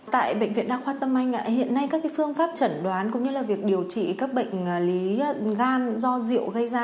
tại bệnh viện đa khoa tâm anh hiện nay các phương pháp chẩn đoán cũng như là việc điều trị các bệnh lý gan do rượu gây ra